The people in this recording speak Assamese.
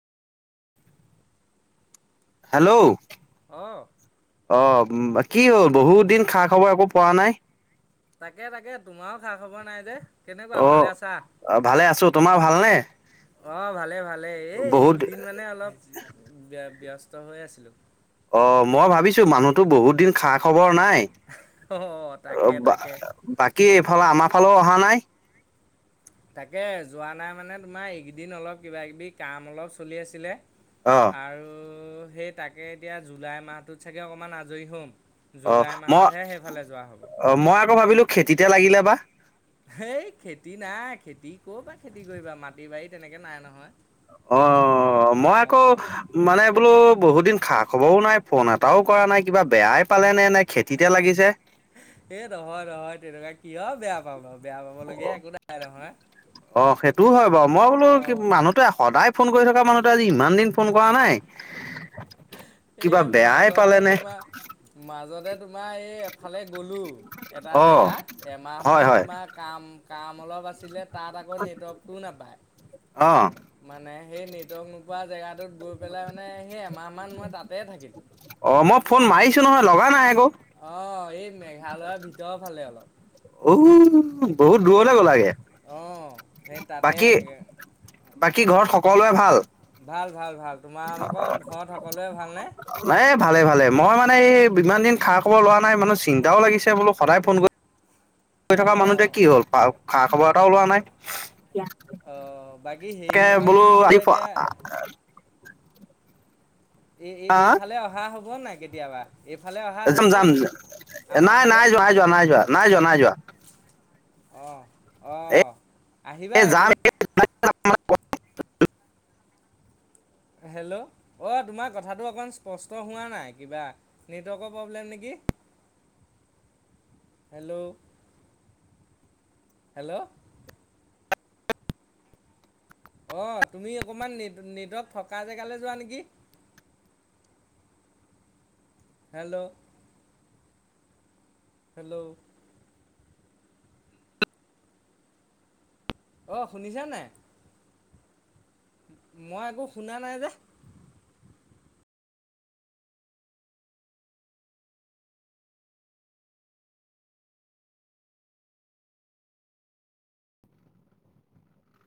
হেল্ল' অঁ অহ [inaudible] কি হ'ল বহুত দিন খা খবৰ একো পোৱা নাই? তাকে তাকে তোমাৰো খা খবৰ নাই যে। কেনেকুৱা অ ভালে ভালে আছো তোমাৰ ভালনে? অ ভালে ভালে এই বহুত এইকেইদিন মানে অলপ ব্যস্ত। হৈ আছিলো। অ মই ভাবিছো মানুহতো বহুত দিন খা খ। বৰ নাই। অঁ তাকে তাকে [unintelligible] অহা নাই। তাকে যোৱা নাই মানে তোমাৰ এইকেইদিন অলপ কিবা কিবি কাম অলপ চলি আছিলে। অ আৰু ত' সেই তাকে এতিয়া জুলাই মাহটোত চাগে অকণমান আজৰি হ'ম। অ জুলাই মই মাহতহে সেইফালে যোৱা হ'ব অ মই আকৌ ভাবিলো, খেতিতে লাগিলে বা। এই খেতি নাই খেতি কৰ পা খেতি কৰিবা। মাটি বাৰী তেনেকে নাই নহয়। অঁ মই আকৌ অঁ মানে বোলো বহুত দিন খা খবৰও নাই। ফোন এটাও কৰা অঁ নাই, কিবা বেয়াই পালে নে- নে খেতিতে লাগিছে। এই নহয় নহয় তেনেকুৱা কিয় বেয়া পাব। বেয়া পাবলগীয়া একো নাই নহয়। তোও হয় বাৰু। মই বোলো কি অঁ মানুহতোৱে সদায় ফোন কৰি থকা মানুহটোৱে আজি ইমান দিন ফোন কৰা নাই এ কিবা বেয়াই পালে মাজতে নে তোমাৰ মাজতে তোমাৰ এই এফালে গ'লোঁ, এটা অ জেগাত হয় এমাহমান হয় তোমাৰ কাম কাম অলপ আছিলে তাত আকৌ নেটৱৰ্কটোও নাপায় অঁ মানে সেই নেটৱৰ্ক নোপোৱা জেগাটোত গৈ পেলাই মানে সেই এমাহ মান মই তাতে থাকিলো। অঁ মই ফোন মাৰিছো নহয়, লগা নাই আকৌ। অঁ, এই মেঘালয়ৰ ভিতৰ ফালে অলপ। [unintelligible] অঁ গ'লাগে অঁ, সেই তাতে বাকী বাকী ঘৰত সকলোৱে ভাল। ভাল ভাল-ভাল। তোমালোকৰ ঘৰত সকলোৱে ভালনে? এ ভালে ভালে, মই মানে এই ইমান দিন খা খ'বৰ লোৱা নাই মানে চিন্তাও লাগিছে বোলো সদায় ফোন কৰি থকা মানুহটোৱে অঁ কি হ'ল, খা খবৰ এটাও অ', ওলোৱা নাই, অ', বাকী হেৰি তাকে নহয় বোলো কি আহি কয় এতিয়া এ- এ এইফালে অহা হ'ব কোৱা নাই কেতিয়াবা। এইফালে অহা একদম হৈছে যাম, নেকি? আমাৰ নাই ফালে নাই যোৱা-নাই যোৱা-নাই যোৱা। অঁ, অঁ। এই যাম [unintelligible] [unintelligible] হেল্ল' অঁ তোমাৰ কথাটো অকণ স্পষ্ট হোৱা নাই কিবা, নেটৱৰ্কৰ প্ৰব্লেম নেকি, হেল্ল' হেল্ল'। অঁ তুমি অকমান নেটৱৰ্ক থকা জেগালৈ যোৱা নেকি। হেল্ল'। হেল্ল' অঁ শুনিছা নাই। মই একো শুনা নাই যে।